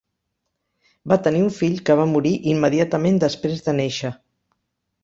Va tenir un fill que va morir immediatament després de néixer.